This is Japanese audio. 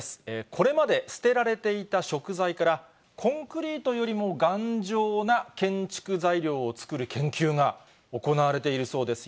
これまで捨てられていた食材から、コンクリートよりも頑丈な建築材料を作る研究が行われているそうです。